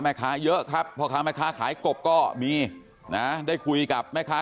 แม่ค้าเยอะครับพ่อค้าแม่ค้าขายกบก็มีนะได้คุยกับแม่ค้า